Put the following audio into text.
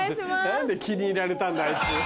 何で気に入られたんだあいつ。